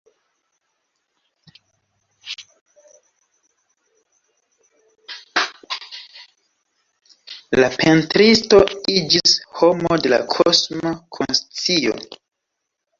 La pentristo iĝis “homo de la kosma konscio.